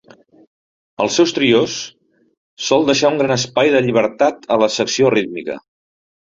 En els seus trios, sol deixar un gran espai de llibertat a la secció rítmica.